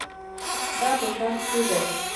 دا په شرق کې دي.